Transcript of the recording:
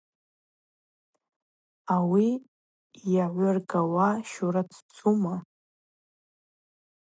Ауи йагӏвыргауа щураццума?